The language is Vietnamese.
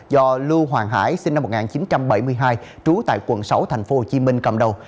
do lưu hoàng hải sinh năm một nghìn chín trăm bảy mươi hai trú tại quận sáu thành phố hồ chí minh cầm đầu